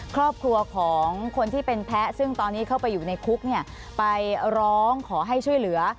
ครอบครัวของคนที่เป็นแพ้ซึ่งตอนนี้เข้าไปอยู่ในคุกไปร้องขอให้ช่วยเหลือ